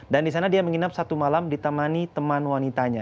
dan disana dia menginap satu malam ditemani teman wanitanya